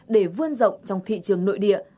để vươn rộng trong thị trường nội địa